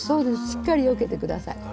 しっかりよけて下さい。